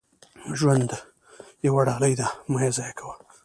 • ژوند یوه ډالۍ ده، مه یې ضایع کوه.